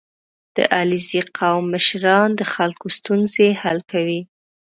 • د علیزي قوم مشران د خلکو ستونزې حل کوي.